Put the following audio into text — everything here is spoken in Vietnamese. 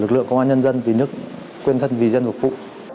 lực lượng công an nhân dân vì nước quên thân vì dân hợp phụ